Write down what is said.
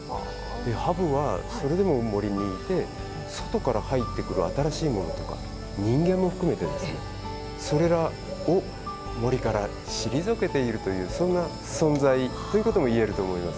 ハブは、それでも森にいて外から入ってくる新しい者とか、人間も含めてそれらを森から退けている存在ともいえると思います。